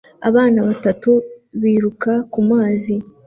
Abana batatu biruka kumazi